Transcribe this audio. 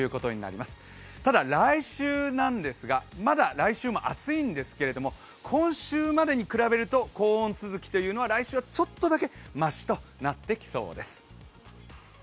来週もまだ暑いんですけれども今週までに比べると高温続きというのは来週はちょっとだけましということになってきそうです。